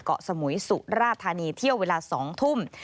เกาะสมุยสุราธานีเที่ยวเวลา๒ทุ่ม